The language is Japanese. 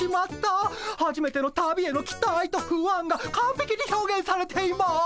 はじめての旅への期待と不安がかんぺきに表現されています。